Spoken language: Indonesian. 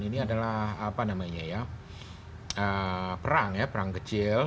ini adalah apa namanya ya perang ya perang kecil